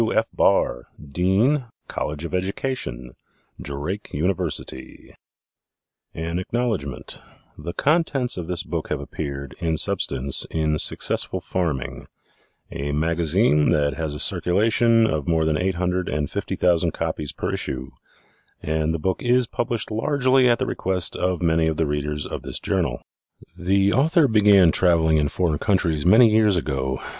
_ W. F. BARR Dean College of Education Drake University AN ACKNOWLEDGMENT The contents of this book have appeared, in substance, in Successful Farming, a magazine that has a circulation of more than eight hundred and fifty thousand copies per issue, and the book is published largely at the request of many of the readers of this journal. The author began traveling in foreign countries many years ago.